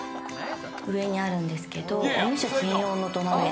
上にあるんですけれども、みそ専用の土鍋。